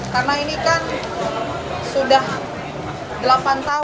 karena ini kan sudah delapan tahun tidak pernah